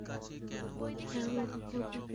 তার বড় বোন আগস্ট মাসে জন্মগ্রহণ করে।